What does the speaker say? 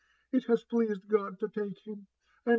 <^It has pleased God to take him. And oh.